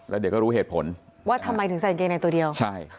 แล้วเดี๋ยวก็รู้เหตุผลว่าทำไมถึงใส่กางเกงในตัวเดียวใช่